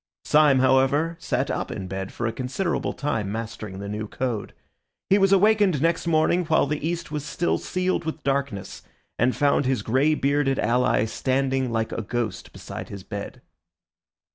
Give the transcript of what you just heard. Syme, however, sat up in bed for a considerable time mastering the new code. He was awakened next morning while the east was still sealed with darkness, and found his grey bearded ally standing like a ghost beside his bed.